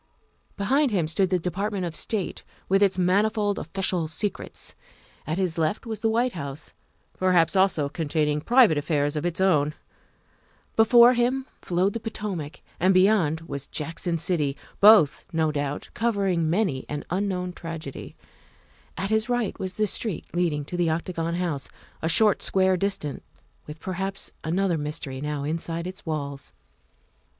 Behind him stood the Department of State, with its manifold official secrets; at his left was the White House, perhaps also containing private affairs of its own; before him flowed the Potomac, and beyond was Jackson City, both, no doubt, covering many an un known tragedy; at his right was the street leading to the Octagon House, a short square distant, with perhaps another mystery now inside its walls.